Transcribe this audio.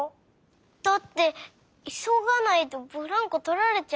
だっていそがないとブランコとられちゃうもん。